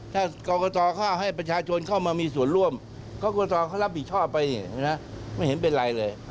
ถ้ากรกตเขาเอาให้ประชาชนเข้ามามีส่วนร่วมกรกตเขารับผิดชอบไปไม่เห็นเป็นไรเลย